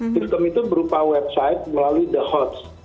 sistem itu berupa website melalui the hots